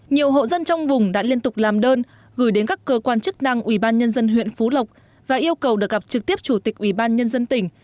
nhiều hộ dân trong vùng đã liên tục làm đơn gửi đến các cơ quan chức năng ubnd huyện phú lộc và yêu cầu được gặp trực tiếp chủ tịch ubnd tỉnh